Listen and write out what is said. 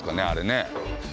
あれね。